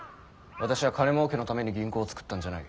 私は金もうけのために銀行を作ったんじゃない。